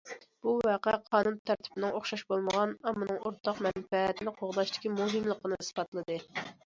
بۇ ۋەقە قانۇن تەرتىپىنىڭ ئوخشاش بولمىغان ئاممىنىڭ ئورتاق مەنپەئەتىنى قوغداشتىكى مۇھىملىقىنى ئىسپاتلىدى.